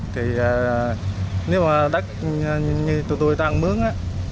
thì nếu mà đất như tụi tôi tăng mướn á